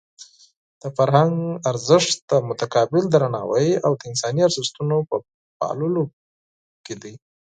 د فرهنګ ارزښت د متقابل درناوي او د انساني ارزښتونو په پاللو کې دی.